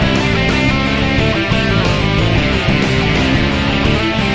คุณน้ำบาดอยู่ที่นี่